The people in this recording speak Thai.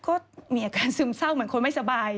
ก็มีอาการซึมเศร้าเหมือนคนไม่สบาย